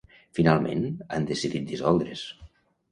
Finalment, han decidit dissoldre's.